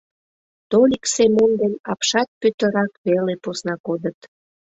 Толик Семон ден Апшат Пӧтырак веле посна кодыт.